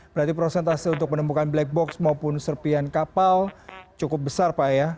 berarti prosentase untuk menemukan black box maupun serpian kapal cukup besar pak ya